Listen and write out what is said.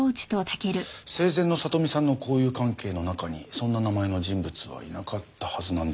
生前の聡美さんの交友関係の中にそんな名前の人物はいなかったはずなんですけど。